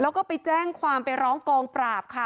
แล้วก็ไปแจ้งความไปร้องกองปราบค่ะ